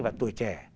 và tuổi trẻ